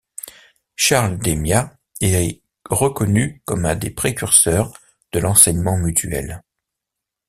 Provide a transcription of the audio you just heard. Charles Démia est reconnu comme un des précurseurs de l'enseignement mutuel.